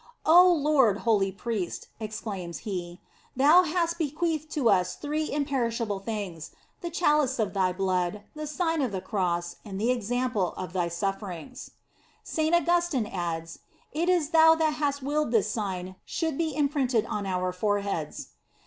" O Lord, Holy Priest," exclaims he, " thou hast be queathed to us three imperishable things: the chalice of thy blood, the Sign of the Cross, and the example of thy sufferings. "f Saint Augustin adds: "It is thou that hast willed this Sign should be imprinted on our foreheads."!